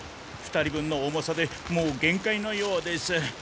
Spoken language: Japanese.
２人分の重さでもうげんかいのようです。